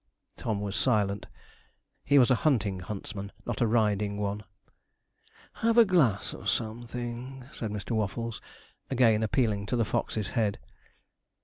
Tom was silent. He was a hunting huntsman, not a riding one. 'Have a glass of something,' said Mr. Waffles, again appealing to the Fox's head.